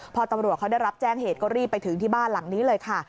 พอตำรวจเขาได้รับแจ้งเหตุก็รีบไปถึงที่บ้านหลังนี้เลยค่ะ